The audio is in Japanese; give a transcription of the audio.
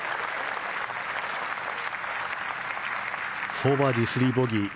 ４バーディー３ボギー。